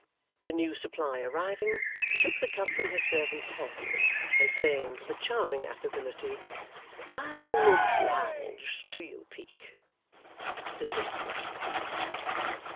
The new supply arriving, he took the cup from his servant's hand; and saying, with a charming affability, 'I am obliged to you, Peak,' dismissed him.